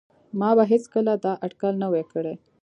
ما به هیڅکله دا اټکل نه وای کړی